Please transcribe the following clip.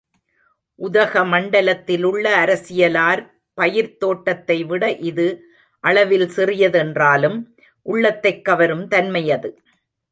உதகமண்டலத்திலுள்ள அரசியலார் பயிர்த் தோட்டத்தைவிட இது அளவில் சிறியதென்றாலும் உள்ளத்தைக் கவரும் தன்மையது.